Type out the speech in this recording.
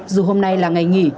dù hôm nay là ngày nghỉ